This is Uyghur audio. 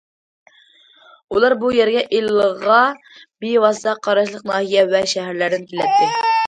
ئۇلار بۇ يەرگە ئىلىغا بىۋاسىتە قاراشلىق ناھىيە ۋە شەھەرلەردىن كېلەتتى.